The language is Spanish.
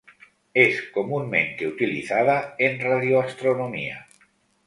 Es comúnmente utilizada en radioastronomía.